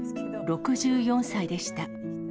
６４歳でした。